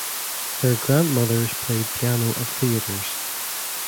Her grandmothers played piano at theaters.